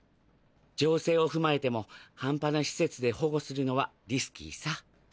情勢を踏まえても半端な施設で保護するのはリスキーさ。